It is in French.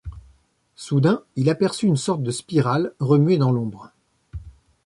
Soudain, il aperçut une sorte de spirale remuer dans l’ombre